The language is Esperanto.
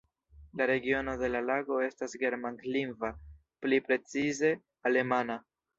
La regiono de la lago estas germanlingva, pli precize alemana.